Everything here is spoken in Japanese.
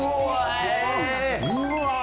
うわ！